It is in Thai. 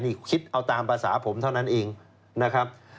นี่คิดเอาตามภาษาผมเท่านั้นเองนะครับ